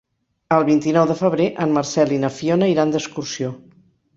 El vint-i-nou de febrer en Marcel i na Fiona iran d'excursió.